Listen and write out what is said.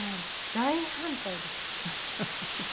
大反対でした。